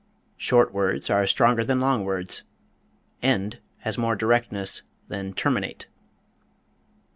SHORT words are stronger than long words end has more directness than terminate.